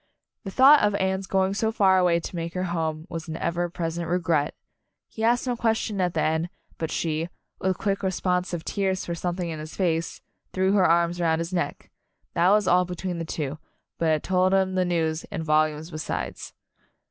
The thought of Anne's going so far away to make her home was an ever present regret. He asked no question at the end, but she with quick responsive tears for something in his face threw her arms about his neck. That was all between the two, but it had told the news, and volumes besides.